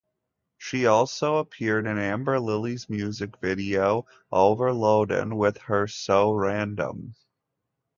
She also appeared in Amber Lily's music video "Overloadin" with her "So Random!